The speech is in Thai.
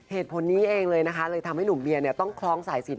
เหตุผลนี้เองเลยนะคะเลยทำให้หนุ่มเบียร์เนี่ยต้องคล้องสายสิน